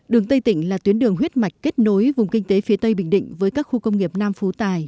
đường tây tỉnh là tuyến đường huyết mạch kết nối vùng kinh tế phía tây bình định với các khu công nghiệp nam phú tài